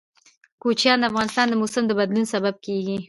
کوچیان د افغانستان د موسم د بدلون سبب کېږي.